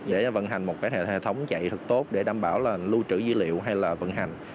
để vận hành một hệ thống chạy thật tốt để đảm bảo là lưu trữ dữ liệu hay là vận hành